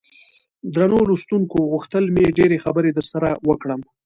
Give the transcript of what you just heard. درنو لوستونکو غوښتل مې ډېرې خبرې درسره وکړم.